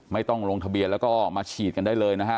ไม่ต้องลงทะเบียนแล้วก็มาฉีดกันได้เลยนะฮะ